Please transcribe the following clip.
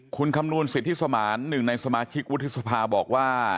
คุณคำนูญศิษฐิสมาน๑ในสมาชิกวุฒิศภาบอกว่า